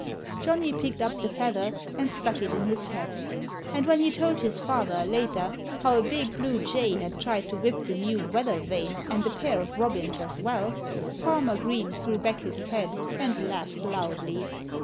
Johnnie picked up the feather and stuck it in his hat. And when he told his father, later, how a big blue jay had tried to whip the new weather vane and a pair of robins as well, Farmer Green threw back his head and laughed loudly.